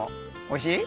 おいしい？